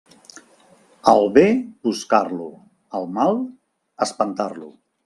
Al bé, buscar-lo; al mal, espantar-lo.